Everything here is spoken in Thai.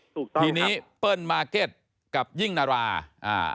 ถูกต้องทีนี้เปิ้ลมาร์เก็ตกับยิ่งนาราอ่า